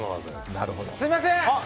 すみません！